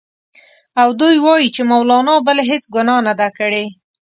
او دوی وايي چې مولنا بله هېڅ ګناه نه ده کړې.